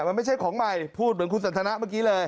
มันไม่ใช่ของใหม่พูดเหมือนคุณสันทนะเมื่อกี้เลย